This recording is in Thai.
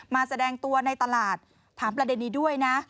แสดงตัวในตลาดถามประเด็นนี้ด้วยนะ